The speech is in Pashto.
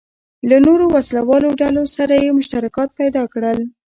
له نورو وسله والو ډلو سره یې مشترکات پیدا کړل.